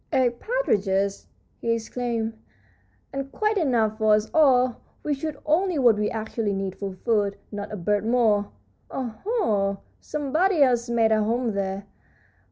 "Eight partridge," he exclaimed, "and quite enough for us all! We shoot only what we actually need for food, not a bird more. Oho! somebody else made a home here.